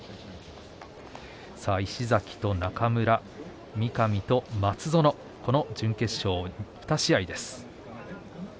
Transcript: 石崎と中村、三上と松園、この準決勝２試合です。